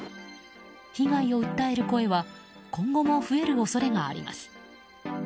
被害を訴える声は今後も増える恐れがあります。